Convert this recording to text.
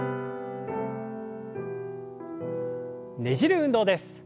ねじる運動です。